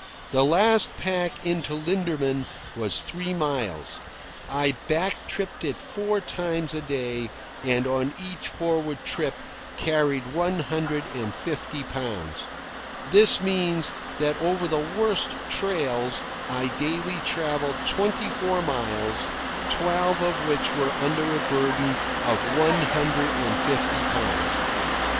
The last pack into Linderman was three miles. I back tripped it four times a day, and on each forward trip carried one hundred and fifty pounds. This means that over the worst trails I daily travelled twenty four miles, twelve of which were under a burden of one hundred and fifty pounds.